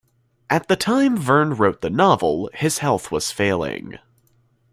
At the time Verne wrote the novel, his health was failing.